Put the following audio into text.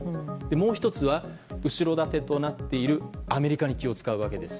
もう１つは、後ろ盾となっているアメリカに気を使うわけです。